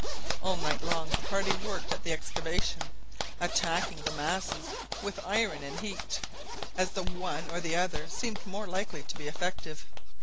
All night long the party worked at the excavation, attacking the masses with iron and heat, as the one or the other seemed more likely to be effective.